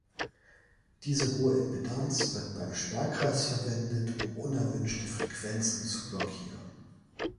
Diese hohe Impedanz wird beim Sperrkreis verwendet, um unerwünschte Frequenzen zu blockieren.